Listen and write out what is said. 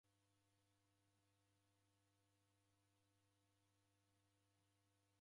Kagala nyumbenyi kuerie icho chaghu